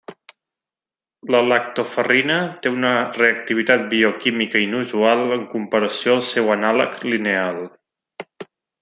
La lactoferrina té una reactivitat bioquímica inusual en comparació al seu anàleg lineal.